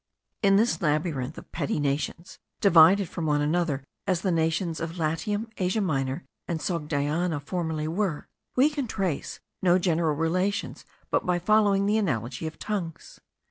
In this labyrinth of petty nations, divided from one another as the nations of Latium, Asia Minor, and Sogdiana, formerly were, we can trace no general relations but by following the analogy of tongues.